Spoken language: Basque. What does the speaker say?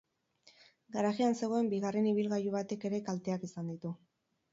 Garajean zegoen bigarren ibilgailu batek ere kalteak izan ditu.